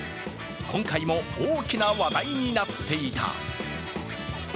今回も大きな話題になっていた。